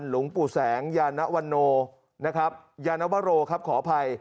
หลวงปู่แสงยาวาโนยาวาโวทครับขออภัย